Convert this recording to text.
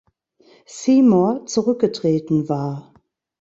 Seymour, zurückgetreten war.